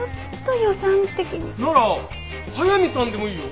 なら速見さんでもいいよ。